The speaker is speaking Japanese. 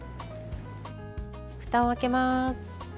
ふたを開けます。